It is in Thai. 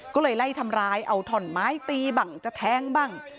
ก็เลยไล่ทำร้ายเอาถ่อนไม้ตีบ้างจะแทงบ้าง